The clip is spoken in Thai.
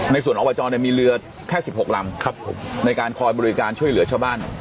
ในส่วนอบจมีเรือแค่๑๖ลำในการคอยบริการช่วยเหลือชาวบ้าน